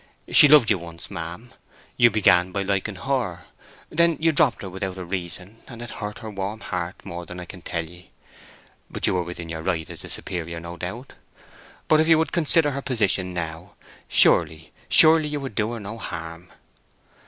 She loved you once, ma'am; you began by liking her. Then you dropped her without a reason, and it hurt her warm heart more than I can tell ye. But you were within your right as the superior, no doubt. But if you would consider her position now—surely, surely, you would do her no harm!"